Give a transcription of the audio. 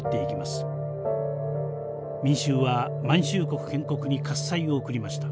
民衆は満州国建国に喝采を送りました。